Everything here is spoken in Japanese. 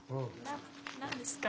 何ですか？